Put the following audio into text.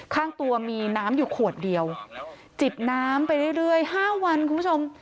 ข้างตัวมีน้ำอยู่ขวดเดียวจิบน้ำไปเรื่อยห้าวันคุณผู้ชม